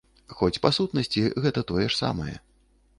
Хоць, па сутнасці, гэта тое ж самае.